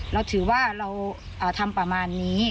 เราถือว่าเราทำประมาณนี้